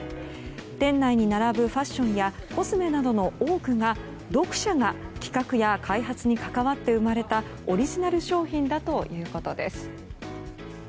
店内に並ぶファッションやコスメなどの多くが読者が企画や開発に関わって生まれたオリジナル商品だということです。